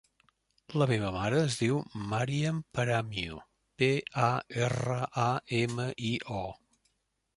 La meva mare es diu Maryam Paramio: pe, a, erra, a, ema, i, o.